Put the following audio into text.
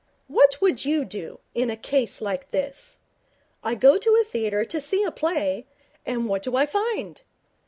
What would you do in a case like this? I go to a theatre to see a play, and what do I find?'